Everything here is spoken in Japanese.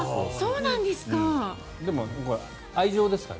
そうなんですか。